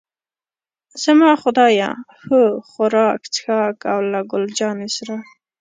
زما خدایه، هو، خوراک، څښاک او له ګل جانې سره.